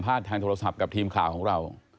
พี่คะถ้าเราขับตามกันมา